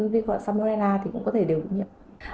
vi khuẩn salmonella cũng có thể đều nhiễm